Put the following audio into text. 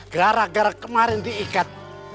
gara gara kemarin diikat